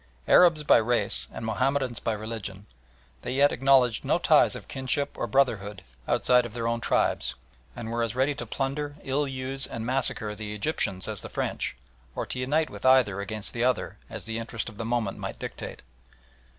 Arabs by race and Mahomedans by religion, they yet acknowledged no ties of kinship or brotherhood outside of their own tribes, and were as ready to plunder, ill use, and massacre the Egyptians as the French, or to unite with either against the other as the interest of the moment might dictate.